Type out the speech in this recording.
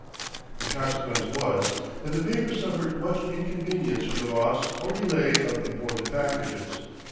The consequence was that the paper suffered much inconvenience from the loss or delay of imported packages.